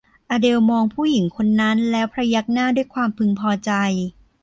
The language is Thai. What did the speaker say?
อเดลมองผู้หญิงคนนั้นแล้วพยักหน้าด้วยความพึงพอใจ